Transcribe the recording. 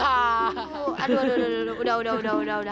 aduh aduh aduh udah udah udah udah